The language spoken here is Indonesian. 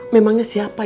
memangnya siapa ya